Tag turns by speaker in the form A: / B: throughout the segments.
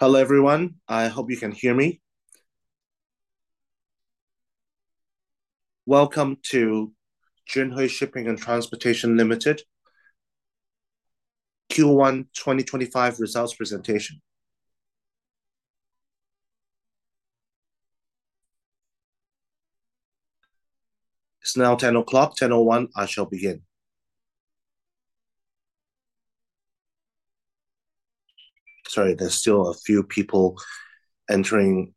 A: Hello everyone, I hope you can hear me. Welcome to Jinhui Shipping and Transportation Limited Q1 2025 results presentation. It's now 10:00, 10:01, I shall begin. Sorry, there's still a few people entering.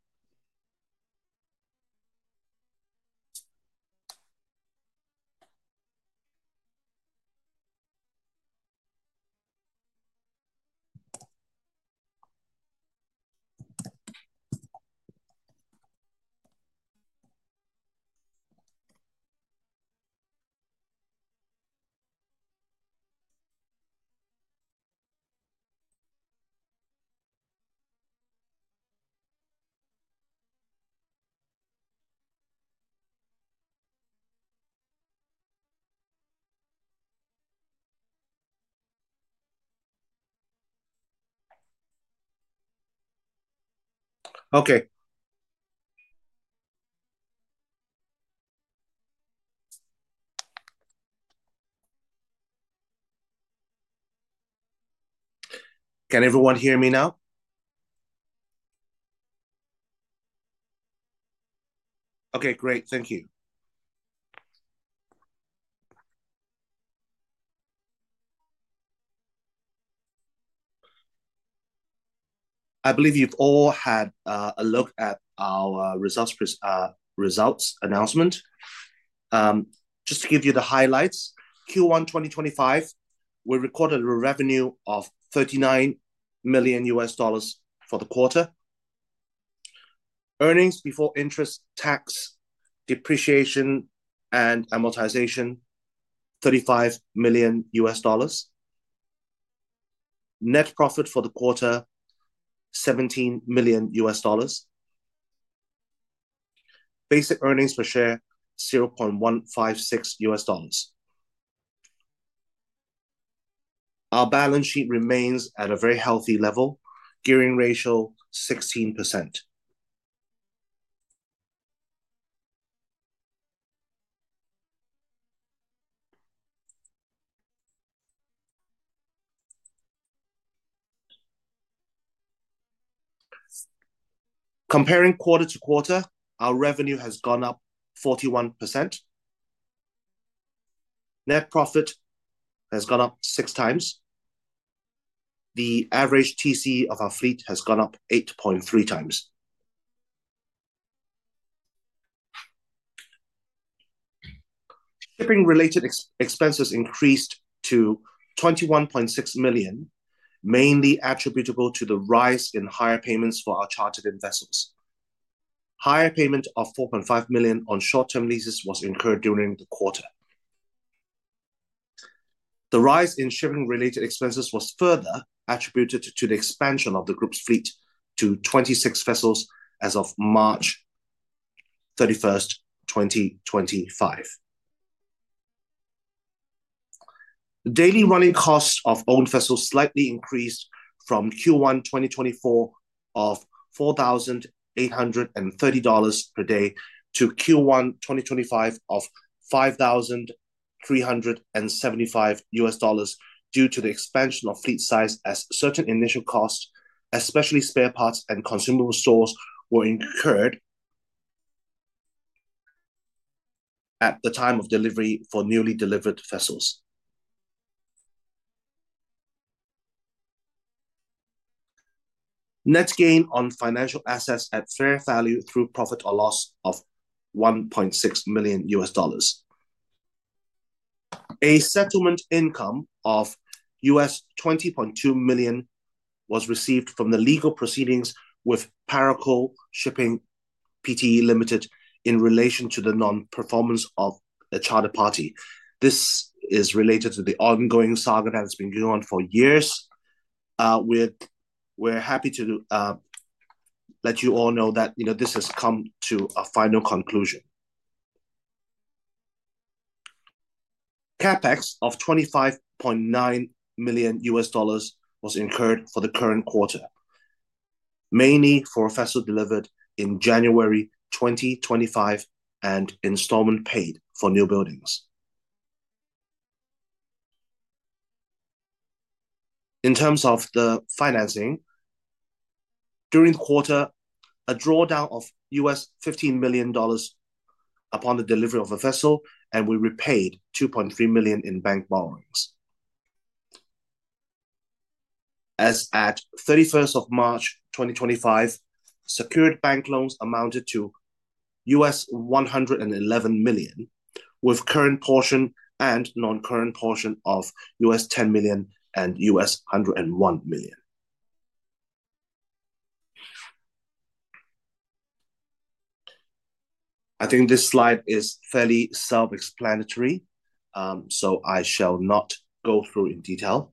A: Okay. Can everyone hear me now? Okay, great, thank you. I believe you've all had a look at our results announcement. Just to give you the highlights, Q1 2025, we recorded a revenue of $39 million for the quarter. Earnings before interest, taxes, depreciation, and amortization, $35 million. Net profit for the quarter, $17 million. Basic earnings per share, $0.156. Our balance sheet remains at a very healthy level, gearing ratio 16%. Comparing quarter to quarter, our revenue has gone up 41%. Net profit has gone up 6 times. The average TCE of our fleet has gone up 8.3 times. Shipping-related expenses increased to $21.6 million, mainly attributable to the rise in hire payments for our chartered vessels. Hire payment of $4.5 million on short-term leases was incurred during the quarter. The rise in shipping-related expenses was further attributed to the expansion of the group's fleet to 26 vessels as of March 31st, 2025. Daily running costs of owned vessels slightly increased from Q1 2024 of $4,830 per day to Q1 2025 of $5,375 due to the expansion of fleet size as certain initial costs, especially spare parts and consumable stores, were incurred at the time of delivery for newly delivered vessels. Net gain on financial assets at fair value through profit or loss of $1.6 million. A settlement income of $20.2 million was received from the legal proceedings with Parakou Shipping Pte Limited in relation to the non-performance of the chartered party. This is related to the ongoing saga that has been going on for years. We're happy to let you all know that this has come to a final conclusion. CapEx of $25.9 million was incurred for the current quarter, mainly for vessels delivered in January 2025 and installment paid for new buildings. In terms of the financing, during the quarter, a drawdown of $15 million upon the delivery of a vessel, and we repaid $2.3 million in bank borrowings. As at 31 March 2025, secured bank loans amounted to $111 million, with current portion and non-current portion of $10 million and $101 million. I think this slide is fairly self-explanatory, so I shall not go through in detail.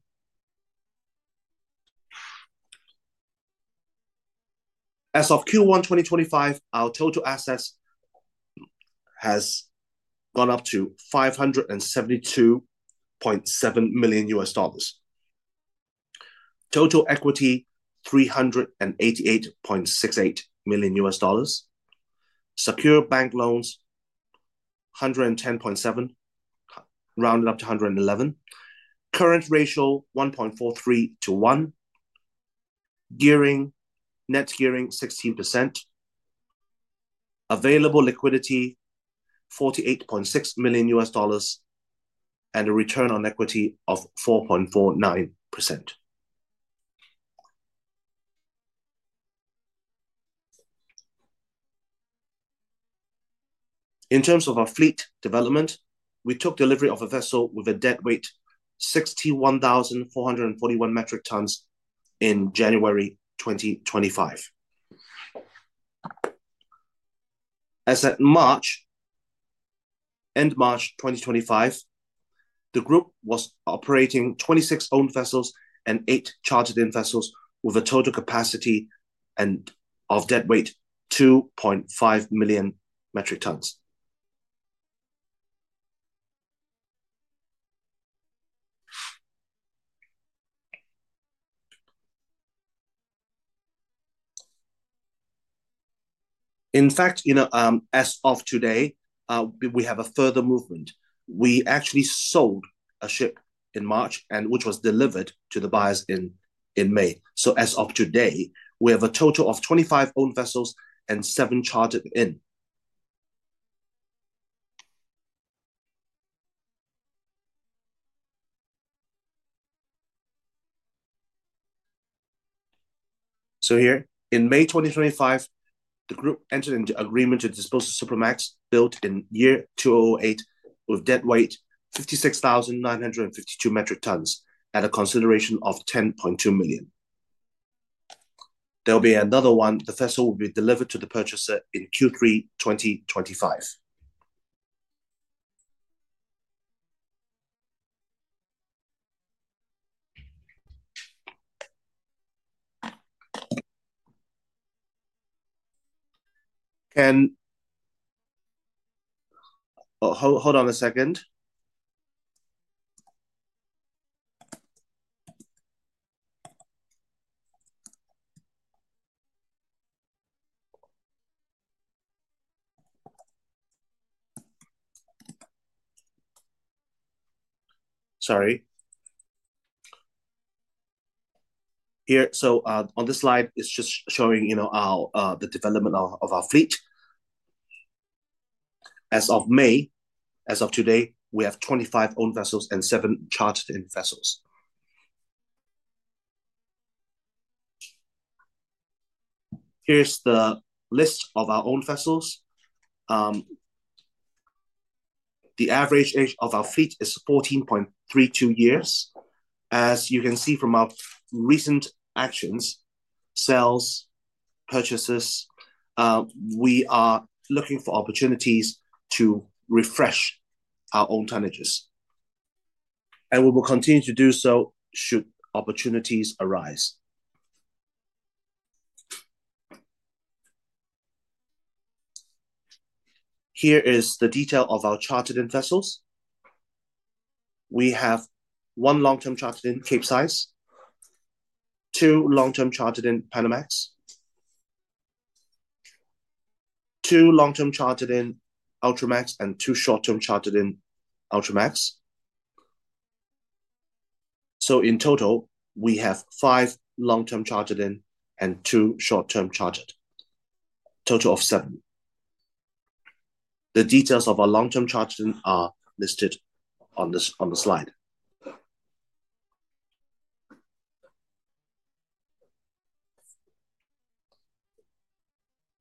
A: As of Q1 2025, our total assets have gone up to $572.7 million, total equity $388.68 million, secured bank loans $110.7 million, rounded up to $111 million, current ratio 1.43 to 1, net gearing 16%, available liquidity $48.6 million, and a return on equity of 4.49%. In terms of our fleet development, we took delivery of a vessel with a dead weight of 61,441 metric tons in January 2025. As at end March 2025, the group was operating 26 owned vessels and 8 chartered vessels with a total capacity of dead weight of 2.5 million metric tons. In fact, as of today, we have a further movement. We actually sold a ship in March, which was delivered to the buyers in May. So as of today, we have a total of 25 owned vessels and 7 chartered in. Here, in May 2025, the group entered into an agreement to dispose of Supramax built in year 2008 with dead weight 56,952 metric tons at a consideration of $10.2 million. There will be another one. The vessel will be delivered to the purchaser in Q3 2025. Can—hold on a second. Sorry. Here, on this slide, it is just showing the development of our fleet. As of May, as of today, we have 25 owned vessels and 7 chartered vessels. Here is the list of our owned vessels. The average age of our fleet is 14.32 years. As you can see from our recent actions, sales, purchases, we are looking for opportunities to refresh our owned tonnages. We will continue to do so should opportunities arise. Here is the detail of our chartered vessels. We have one long-term chartered in Capesize, two long-term chartered in Panamax, two long-term chartered in Ultramax, and two short-term chartered in Ultramax. In total, we have five long-term chartered and two short-term chartered, total of seven. The details of our long-term chartered are listed on the slide.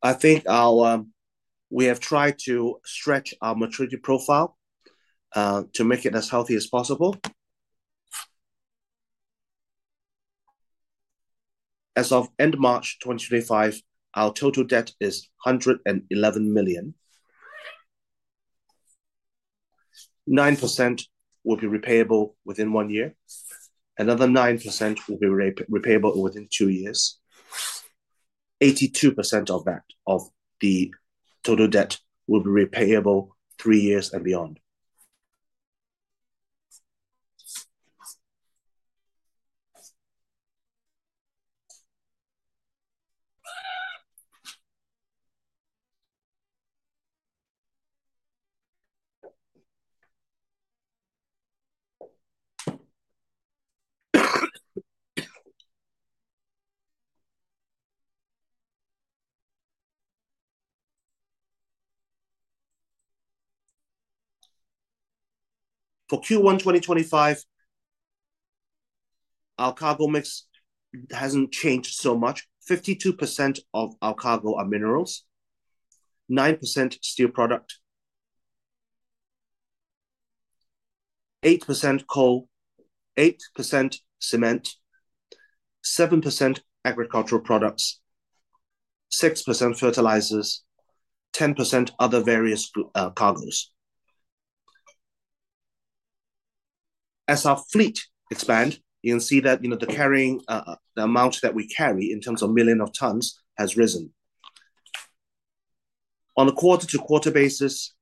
A: I think we have tried to stretch our maturity profile to make it as healthy as possible. As of end March 2025, our total debt is $111 million. 9% will be repayable within one year. Another 9% will be repayable within two years. 82% of the total debt will be repayable three years and beyond. For Q1 2025, our cargo mix has not changed so much. 52% of our cargo are minerals, 9% steel products, 8% coal, 8% cement, 7% agricultural products, 6% fertilizers, 10% other various cargoes. As our fleet expands, you can see that the amount that we carry in terms of million of tons has risen. On a quarter-to-quarter basis,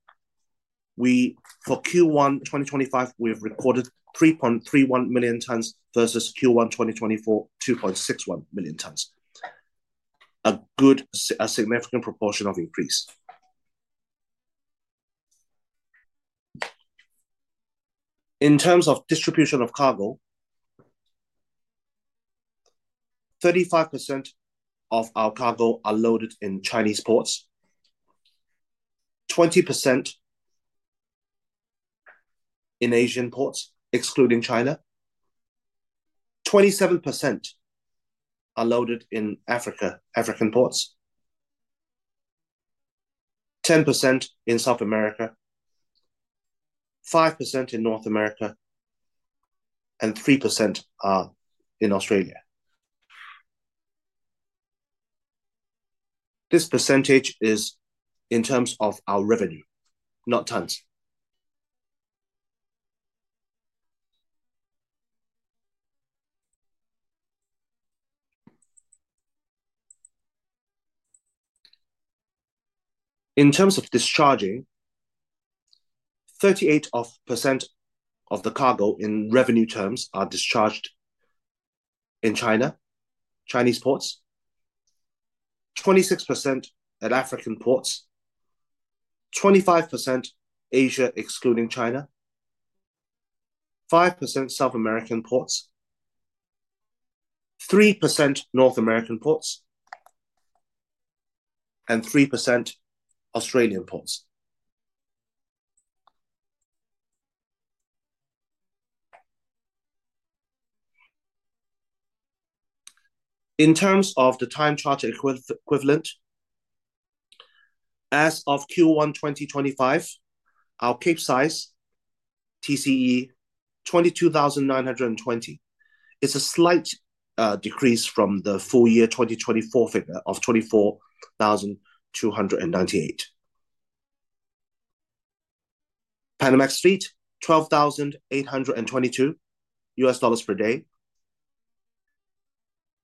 A: for Q1 2025, we have recorded 3.31 million tons versus Q1 2024, 2.61 million tons. A good, a significant proportion of increase. In terms of distribution of cargo, 35% of our cargo are loaded in Chinese ports, 20% in Asian ports, excluding China, 27% are loaded in African ports, 10% in South America, 5% in North America, and 3% in Australia. This percentage is in terms of our revenue, not tons. In terms of discharging, 38% of the cargo in revenue terms are discharged in China, Chinese ports, 26% at African ports, 25% Asia, excluding China, 5% South American ports, 3% North American ports, and 3% Australian ports. In terms of the time charter equivalent, as of Q1 2025, our Capesize TCE $22,920 is a slight decrease from the full year 2024 figure of $24,298. Panamax fleet, $12,822 per day.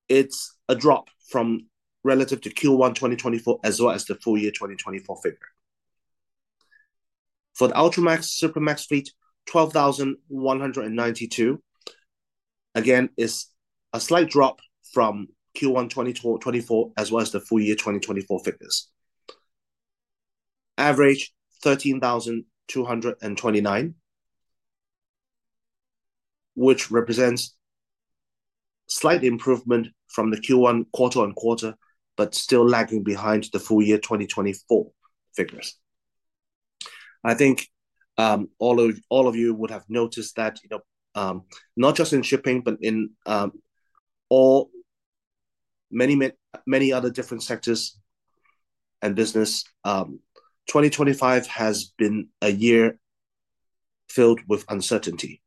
A: It's a drop relative to Q1 2024 as well as the full year 2024 figure. For the Ultramax Supramax fleet, $12,192, again, is a slight drop from Q1 2024 as well as the full year 2024 figures. Average $13,229, which represents a slight improvement from the Q1 quarter on quarter, but still lagging behind the full year 2024 figures. I think all of you would have noticed that not just in shipping, but in many other different sectors and business, 2025 has been a year filled with uncertainty.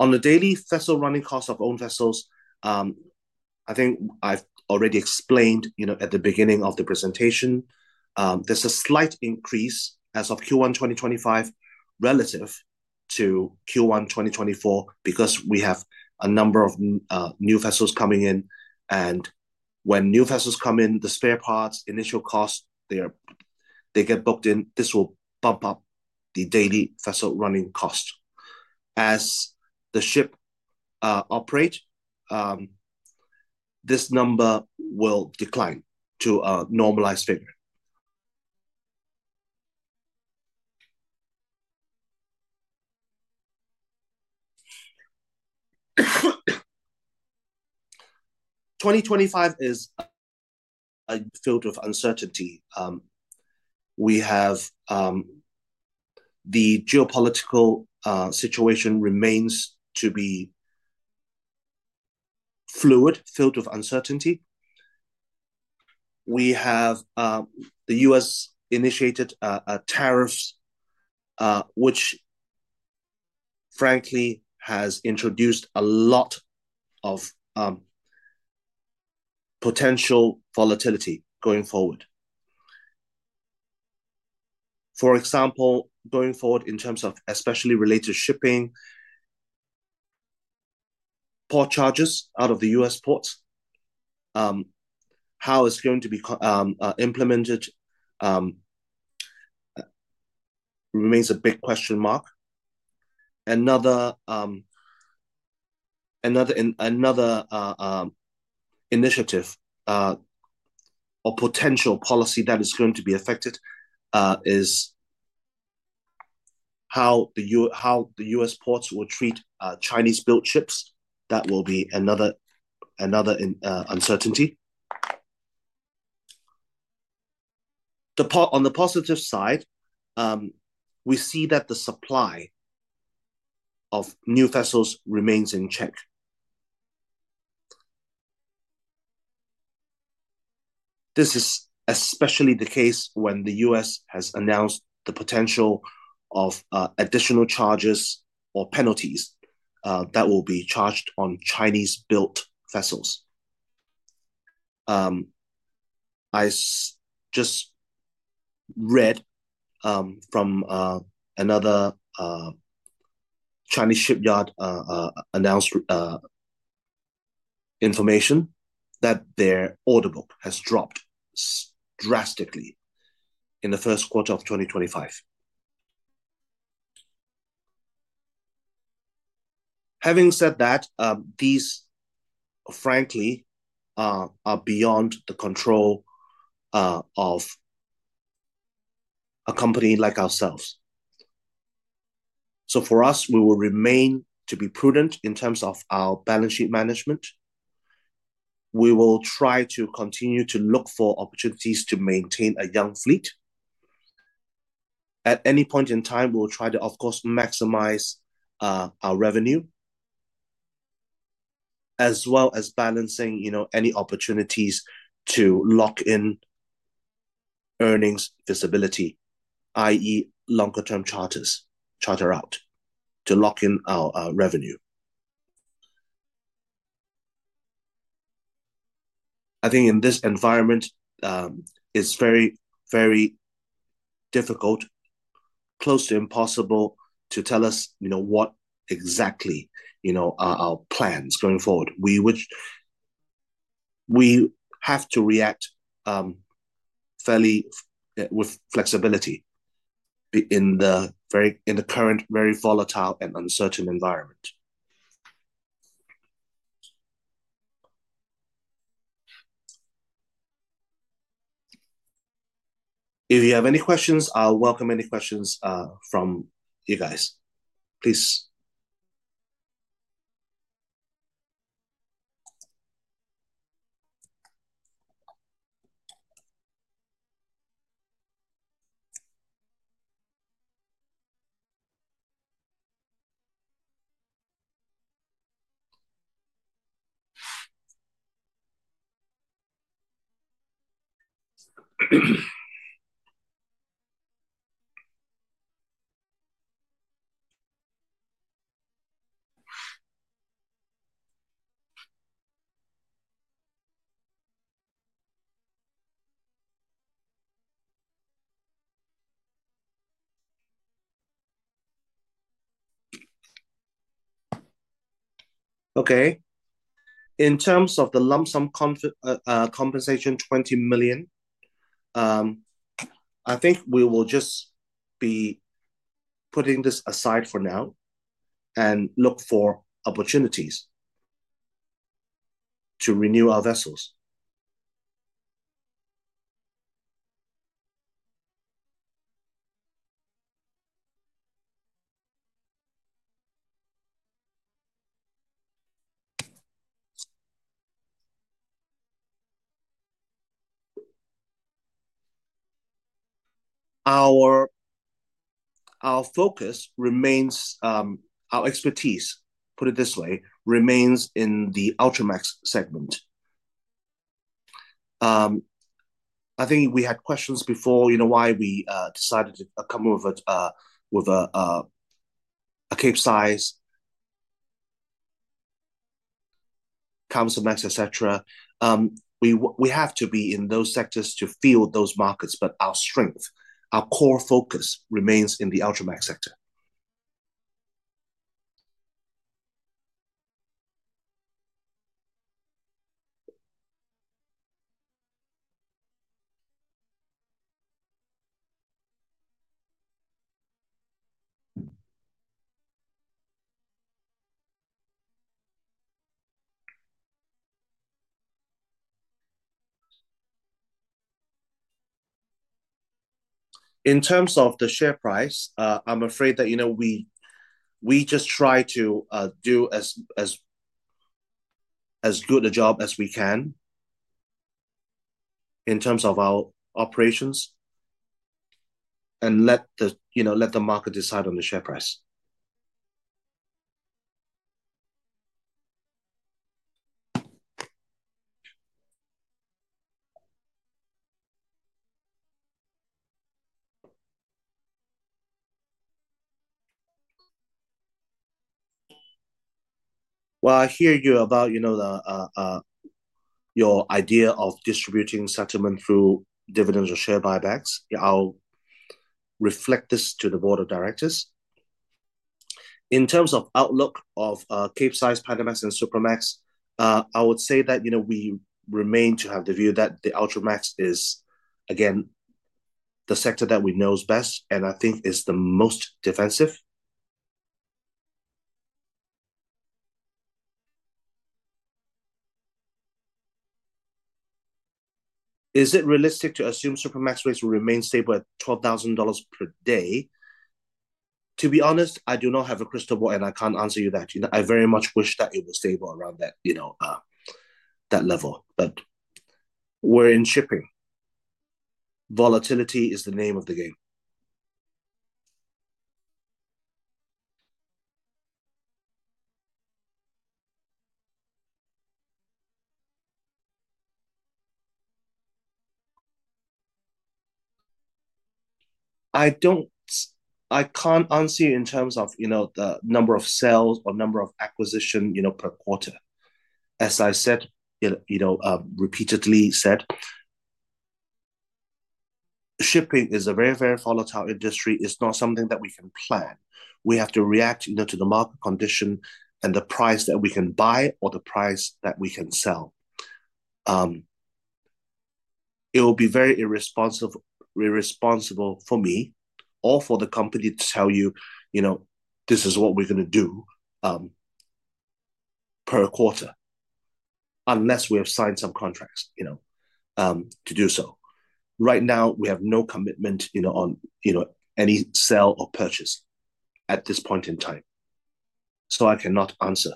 A: On the daily vessel running cost of owned vessels, I think I've already explained at the beginning of the presentation. There's a slight increase as of Q1 2025 relative to Q1 2024 because we have a number of new vessels coming in. When new vessels come in, the spare parts, initial costs, they get booked in. This will bump up the daily vessel running cost. As the ship operates, this number will decline to a normalized figure. 2025 is filled with uncertainty. The geopolitical situation remains to be fluid, filled with uncertainty. The U.S. initiated tariffs, which frankly has introduced a lot of potential volatility going forward. For example, going forward in terms of especially related shipping, port charges out of the U.S. ports, how it's going to be implemented remains a big question mark. Another initiative or potential policy that is going to be affected is how the U.S. ports will treat Chinese-built ships. That will be another uncertainty. On the positive side, we see that the supply of new vessels remains in check. This is especially the case when the U.S. has announced the potential of additional charges or penalties that will be charged on Chinese-built vessels. I just read from another Chinese shipyard announced information that their order book has dropped drastically in the first quarter of 2025. Having said that, these frankly are beyond the control of a company like ourselves. For us, we will remain to be prudent in terms of our balance sheet management. We will try to continue to look for opportunities to maintain a young fleet. At any point in time, we will try to, of course, maximize our revenue, as well as balancing any opportunities to lock in earnings visibility, i.e., longer-term charters charter out to lock in our revenue. I think in this environment, it's very, very difficult, close to impossible to tell us what exactly are our plans going forward. We have to react fairly with flexibility in the current very volatile and uncertain environment. If you have any questions, I'll welcome any questions from you guys. Please. Okay. In terms of the lump sum compensation, $20 million, I think we will just be putting this aside for now and look for opportunities to renew our vessels. Our focus remains, our expertise, put it this way, remains in the Ultramax segment. I think we had questions before why we decided to come over with a Capesize, Kamsarmax, etc. We have to be in those sectors to field those markets, but our strength, our core focus remains in the Ultramax sector. In terms of the share price, I'm afraid that we just try to do as good a job as we can in terms of our operations and let the market decide on the share price. I hear you about your idea of distributing settlement through dividends or share buybacks. I'll reflect this to the board of directors. In terms of outlook of Capesize, Panamax, and Supramax, I would say that we remain to have the view that the Ultramax is, again, the sector that we know best and I think is the most defensive. Is it realistic to assume Supramax rates will remain stable at $12,000 per day? To be honest, I do not have a crystal ball, and I can't answer you that. I very much wish that it was stable around that level. We are in shipping. Volatility is the name of the game. I can't answer you in terms of the number of sales or number of acquisitions per quarter. As I said, repeatedly said, shipping is a very, very volatile industry. It's not something that we can plan. We have to react to the market condition and the price that we can buy or the price that we can sell. It will be very irresponsible for me or for the company to tell you, "This is what we're going to do per quarter," unless we have signed some contracts to do so. Right now, we have no commitment on any sale or purchase at this point in time. So I cannot answer.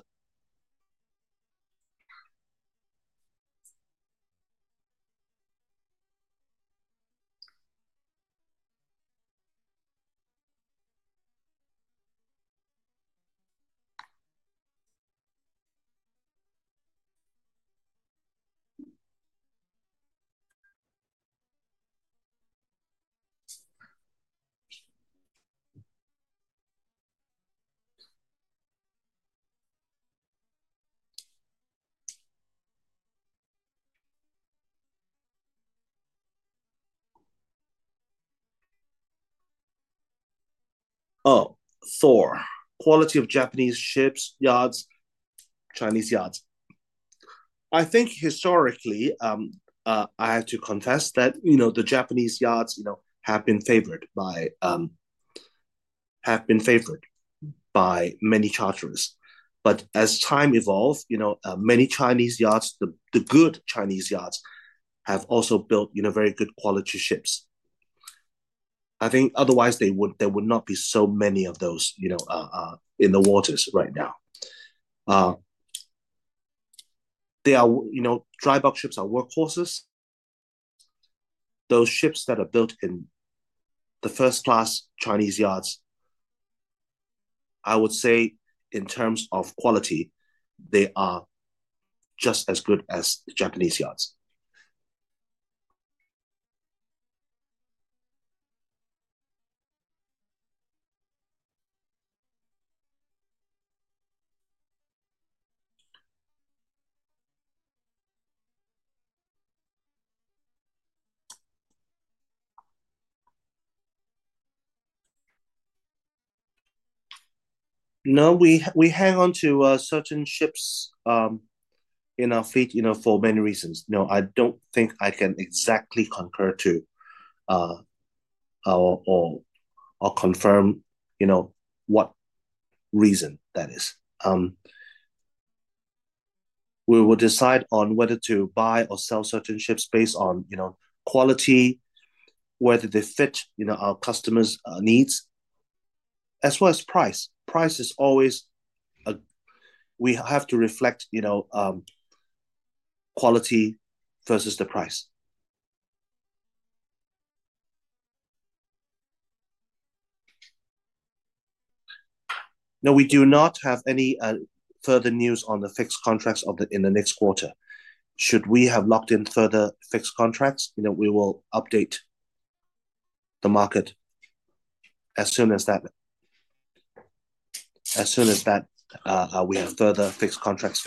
A: Oh, four. Quality of Japanese ships, yards, Chinese yards. I think historically, I have to confess that the Japanese yards have been favored by many charters. As time evolved, many Chinese yards, the good Chinese yards, have also built very good quality ships. I think otherwise there would not be so many of those in the waters right now. Dry bulk ships are workhorses. Those ships that are built in the first-class Chinese yards, I would say in terms of quality, they are just as good as Japanese yards. No, we hang on to certain ships in our fleet for many reasons. I do not think I can exactly concur to or confirm what reason that is. We will decide on whether to buy or sell certain ships based on quality, whether they fit our customers' needs, as well as price. Price is always a, we have to reflect quality versus the price. No, we do not have any further news on the fixed contracts in the next quarter. Should we have locked in further fixed contracts, we will update the market as soon as we have further fixed contracts.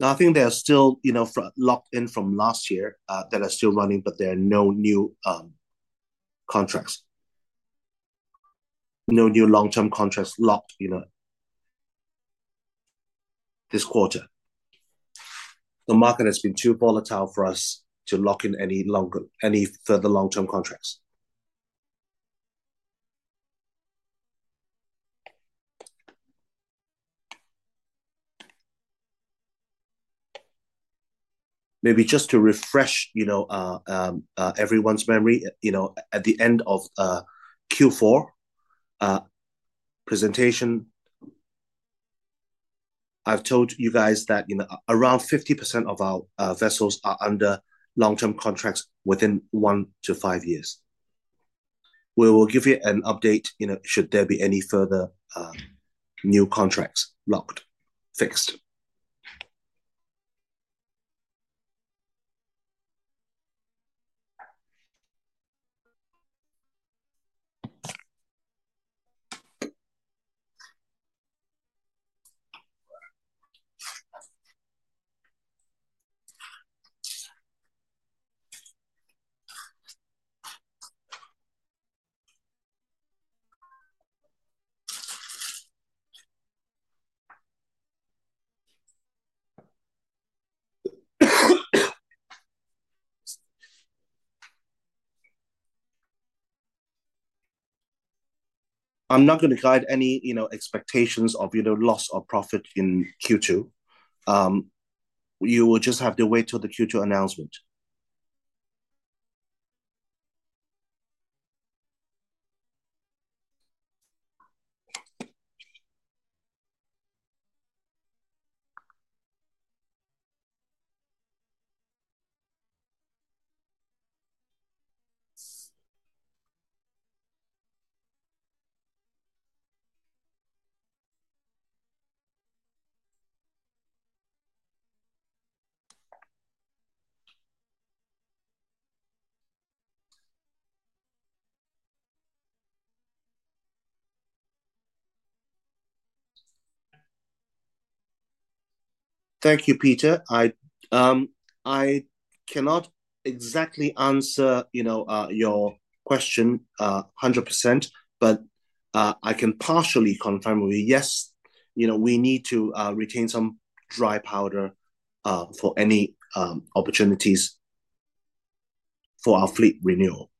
A: Nothing. They are still locked in from last year that are still running, but there are no new contracts. No new long-term contracts locked this quarter. The market has been too volatile for us to lock in any further long-term contracts. Maybe just to refresh everyone's memory, at the end of Q4 presentation, I've told you guys that around 50% of our vessels are under long-term contracts within one to five years. We will give you an update should there be any further new contracts locked. I'm not going to guide any expectations of loss or profit in Q2. You will just have to wait till the Q2 announcement. Thank you, Peter. I cannot exactly answer your question 100%, but I can partially confirm with you, yes, we need to retain some dry powder for any opportunities for our fleet renewal.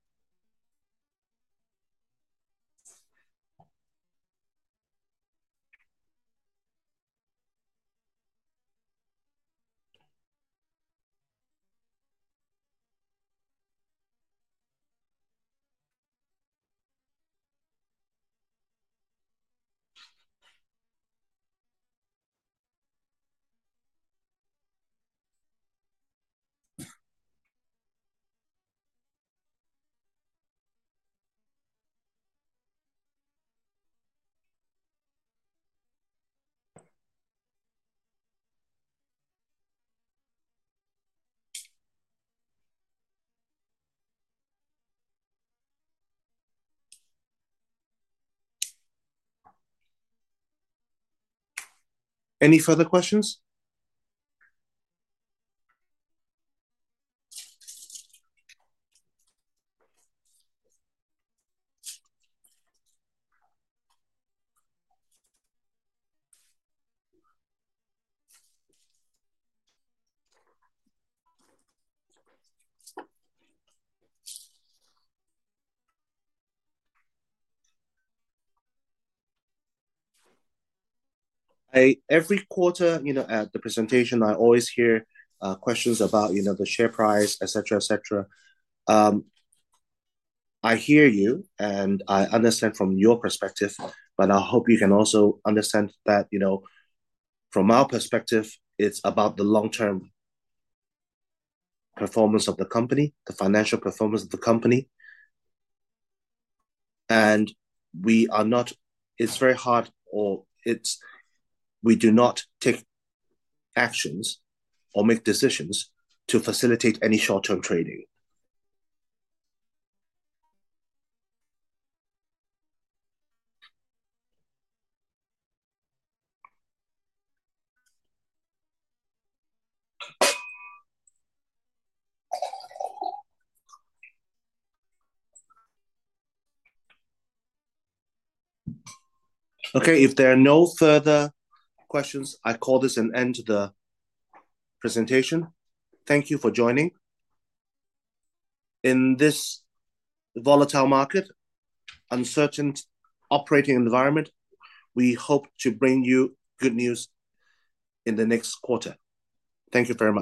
A: Any further questions? Every quarter at the presentation, I always hear questions about the share price, etc., etc. I hear you, and I understand from your perspective, but I hope you can also understand that from our perspective, it is about the long-term performance of the company, the financial performance of the company. It is very hard or we do not take actions or make decisions to facilitate any short-term trading. Okay. If there are no further questions, I call this an end to the presentation. Thank you for joining. In this volatile market, uncertain operating environment, we hope to bring you good news in the next quarter. Thank you very much.